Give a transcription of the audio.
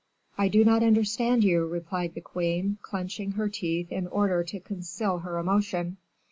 "I do not understand you," replied the queen, clenching her teeth in order to conceal her emotion.